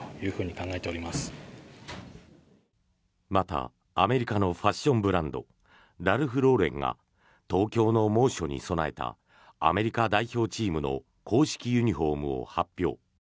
また、アメリカのファッションブランドラルフローレンが東京の猛暑に備えたアメリカ代表チームの公式ユニホームを発表。